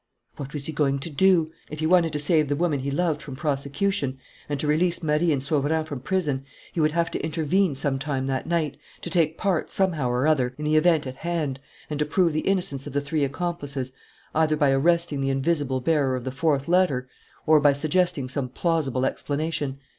What was he going to do? If he wanted to save the woman he loved from prosecution and to release Marie and Sauverand from prison, he would have to intervene some time that night, to take part, somehow or other, in the event at hand, and to prove the innocence of the three accomplices, either by arresting the invisible bearer of the fourth letter or by suggesting some plausible explanation.